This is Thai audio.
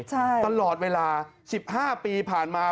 ตลอดเวลา๑๕ปีผ่านมา